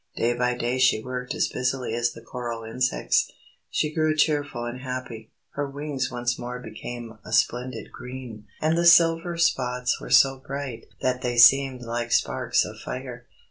Day by day she worked as busily as the coral insects. She grew cheerful and happy. Her wings once more became a splendid green, and the silver spots were so bright that they seemed like sparks of fire.